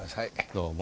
どうも。